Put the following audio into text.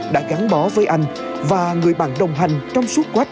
đã gắn bó với anh và người bạn đồng hành trong suốt quách